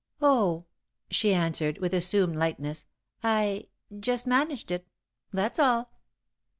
"Oh," she answered, with assumed lightness, "I just managed it, that's all."